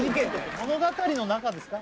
物語の中ですか？